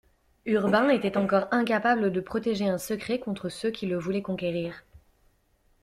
Urbain était encore incapable de protéger un secret contre ceux qui le voulaient conquérir.